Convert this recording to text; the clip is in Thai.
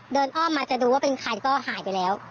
อ้อมมาจะดูว่าเป็นใครก็หายไปแล้ว